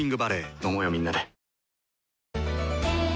飲もうよみんなで。